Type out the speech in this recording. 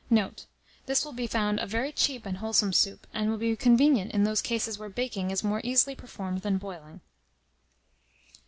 Note. This will be found a very cheap and wholesome soup, and will be convenient in those cases where baking is more easily performed than boiling.